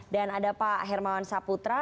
dan ada pak hermawan saputra